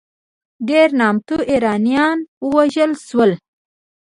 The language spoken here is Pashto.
ډېر نامتو ایرانیان ووژل شول.